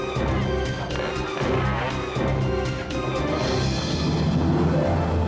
gokuh malah semakin suka ya